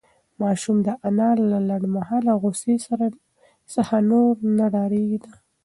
ماشوم د انا له لنډمهاله غوسې څخه نور نه ډارېده.